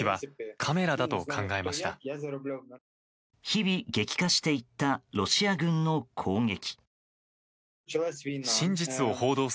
日々、激化していったロシア軍の攻撃。